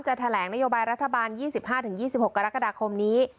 แถลงนโยบายรัฐบาล๒๕๒๖กรกฎาคมนี้